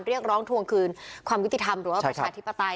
เรียกร้องทวงคืนความยุติธรรมหรือว่าประชาธิปไตย